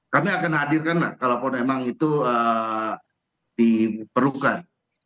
kami akan hadirkan lah kalau pun emang itu diperlukan